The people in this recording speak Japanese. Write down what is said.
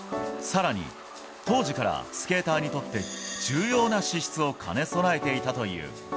さらに、当時からスケーターにとって重要な資質を兼ね備えていたという。